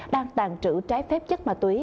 đang tàn trữ trái phép chất ma túy